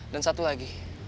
dan satu lagi